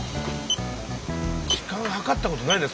時間計ったことないね